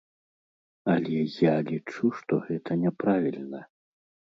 Але я лічу, што гэта няправільна.